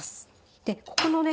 でここのね